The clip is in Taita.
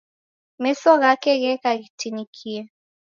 Meso ghake gheka ghitinikie